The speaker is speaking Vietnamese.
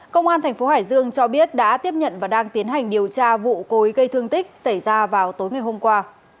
công an thành phố hải dương cho biết đã tiếp nhận và đang tiến hành điều tra vụ cối gây thương tích xảy ra vào tối ngày hôm qua